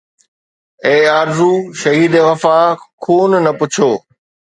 اي آرزو شهيد وفا! خون نه پڇو